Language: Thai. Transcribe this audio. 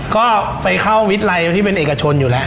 ก็ไปเข้าวิรัยที่เป็นเอกชนอยู่แล้ว